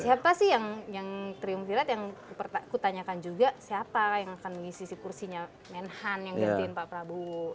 siapa sih yang triumvirat yang dipertahankan aku tanyakan juga siapa yang akan mengisi kursinya menhan yang diantriin pak prabowo